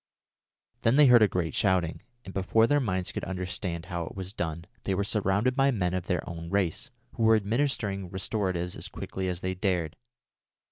Then they heard a great shouting, and before their minds could understand how it was done, they were surrounded by men of their own race, who were administering restoratives as quickly as they dared.